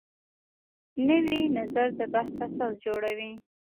نوی نظر د بحث اساس جوړوي